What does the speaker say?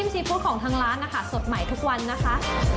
ซีฟู้ดของทางร้านนะคะสดใหม่ทุกวันนะคะ